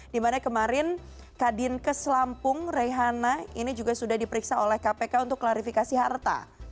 dimana kemarin kadin kes lampung rehana ini juga sudah diperiksa oleh kpk untuk klarifikasi harta